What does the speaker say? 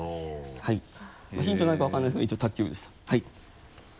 ヒントになるか分からないですけど一応卓球部でした。